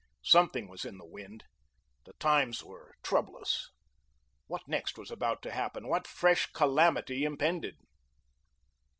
Something was in the wind, the times were troublous. What next was about to happen? What fresh calamity impended?